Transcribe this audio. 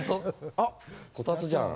あっこたつじゃん。